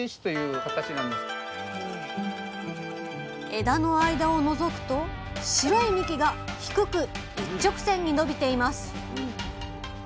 枝の間をのぞくと白い幹が低く一直線に伸びています。